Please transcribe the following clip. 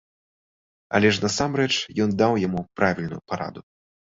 Але ж насамрэч ён даў яму правільную параду.